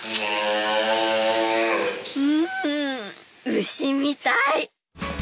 うんウシみたい。